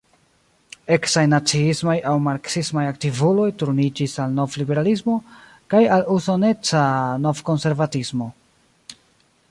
Eksaj naciismaj aŭ marksismaj aktivuloj turniĝis al novliberalismo kaj al usoneca novkonservatismo.